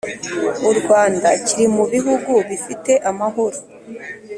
u rwanda kiri mu bihugu bifite amahoro